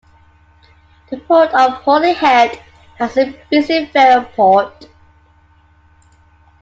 The Port of Holyhead has a busy ferry port.